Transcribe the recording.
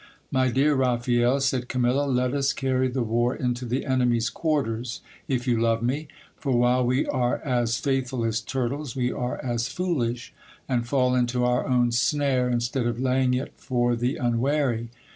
My dear Raphael, said Camilla, let us carry the war into the enemy's quarters, if you love me ; for while we are as faithful as turtles, we are as foolish ; and fall into our own snare, instead of laying it for the unwary.